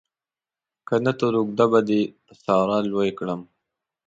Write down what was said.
که نه تر اوږده به دې په ساره لوی کړم.